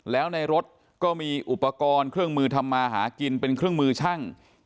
แล้วในรถก็มีอุปกรณ์เครื่องมือทำมาหากินเป็นเครื่องมือช่าง